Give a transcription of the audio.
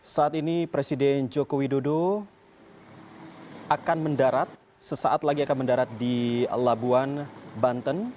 saat ini presiden joko widodo akan mendarat sesaat lagi akan mendarat di labuan banten